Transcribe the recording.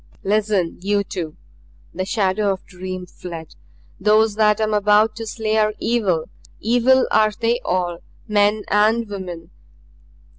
"Listen, you two!" The shadow of dream fled. "Those that I am about to slay are evil evil are they all, men and women.